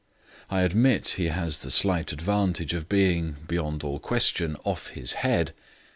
I admit he has the slight disadvantage of being, beyond all question, off his head.